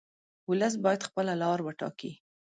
ولس باید خپله لار وټاکي.